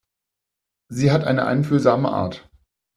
Sie hat eine einfühlsame Art.